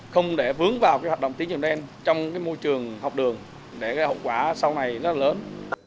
không để vướng vào cái hoạt động tín dụng đen trong cái môi trường học đường để cái hậu quả sau này rất là lớn